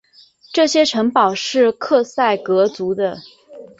这些城堡是克塞格族的。